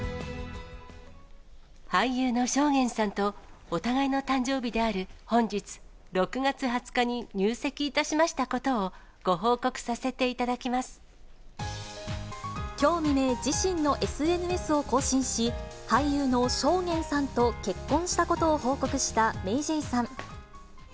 俳優の尚玄さんとお互いの誕生日である本日６月２０日に入籍いたしましたことを、ご報告させきょう未明、自身のＳＮＳを更新し、俳優の尚玄さんと結婚したことを報告したＭａｙＪ．さん。